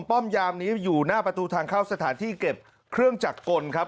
ป้อมยามนี้อยู่หน้าประตูทางเข้าสถานที่เก็บเครื่องจักรกลครับ